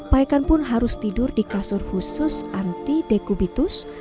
paekan pun harus tidur di kasur khusus anti dekubitus